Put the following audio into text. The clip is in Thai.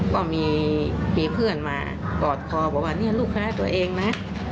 ก็มีเพื่อนมากอดคอบอกว่าเนี่ยลูกคณะตัวเองนะ